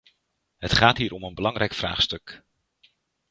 Het gaat hier om een belangrijk vraagstuk.